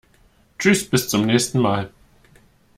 Tschüß, bis zum nächsen mal!